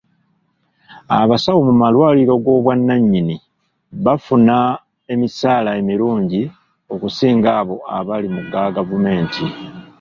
Abasawo mu malwaliro ag'obwannannyini bafuna emisaala emirungi okusinga abo abali mu ga gavumenti.